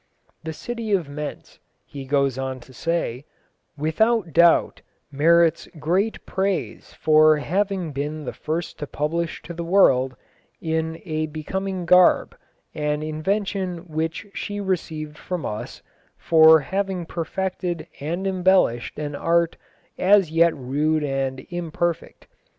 "The city of Mentz," he goes on to say, "without doubt merits great praise for having been the first to publish to the world, in a becoming garb, an invention which she received from us, for having perfected and embellished an art as yet rude and imperfect....